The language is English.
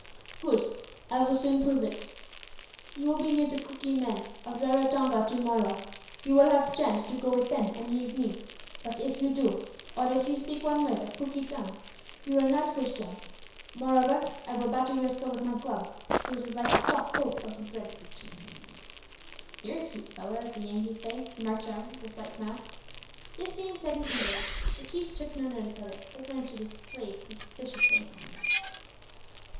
"Good, I will soon prove it. You will be near the Cookee men of Raratonga to morrow. You will have chance to go with them and leave me; but if you do, or if you speak one word of Cookee tongue you are not Christian. Moreover, I will batter your skull with my club, till it is like the soft pulp of the bread fruit." "You're a cute fellar, as the Yankees say," remarked Jarwin, with a slight smile. This being said in English, the Chief took no notice of it, but glanced at his slave suspiciously.